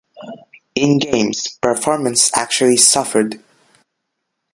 In games, performance actually suffered.